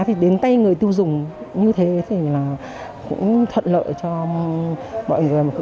thì đến tay người tiêu dùng như thế thì là cũng thuận lợi cho mọi người